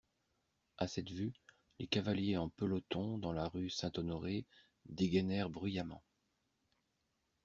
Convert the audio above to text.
A cette vue, les cavaliers en peloton dans la rue Saint-Honoré dégainèrent bruyamment.